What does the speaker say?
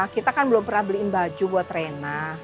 kita kan belum pernah beliin baju buat reina